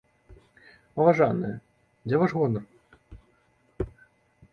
Паважаныя, дзе ваш гонар?